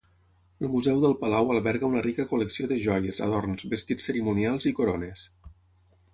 El Museu del Palau alberga una rica col·lecció de joies, adorns, vestits cerimonials i corones.